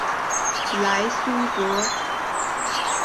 莱苏博。